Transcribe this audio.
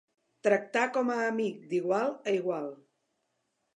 Tractar com a amic, d'igual a igual.